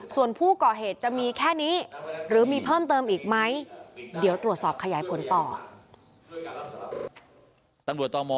ส่วนผู้ก่อเหตุจะมีแค่นี้หรือมีเพิ่มเติมอีกไหม